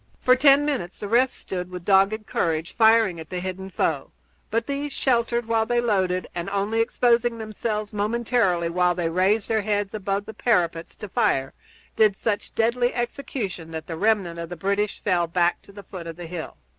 For ten minutes the rest stood with dogged courage, firing at the hidden foe, but these, sheltered while they loaded and only exposing themselves momentarily while they raised their heads above the parapets to fire, did such deadly execution that the remnant of the British fell back to the foot of the hill.